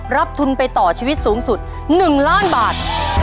รับทุนไปต่อชีวิตสูงสุด๑ล้านบาท